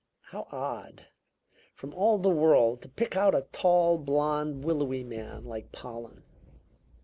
How odd! From all the world to pick out a tall, blond, willowy man like Pollen!